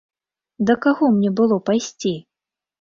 Да каго мне было пайсці?